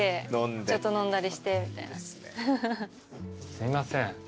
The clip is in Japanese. すいません。